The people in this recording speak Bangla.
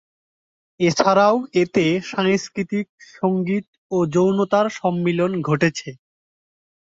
এছাড়াও এতে সাংস্কৃতিক, সঙ্গীত ও যৌনতার সম্মিলন ঘটেছে।